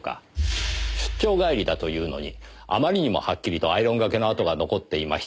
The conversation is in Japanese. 出張帰りだというのにあまりにもはっきりとアイロンがけのあとが残っていました。